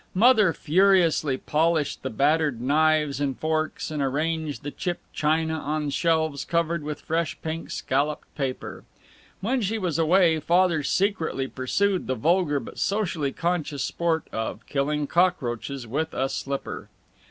Mother furiously polished the battered knives and forks, and arranged the chipped china on shelves covered with fresh pink scalloped paper. When she was away Father secretly pursued the vulgar but socially conscious sport of killing cockroaches with a slipper.